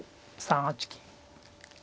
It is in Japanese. ３八金。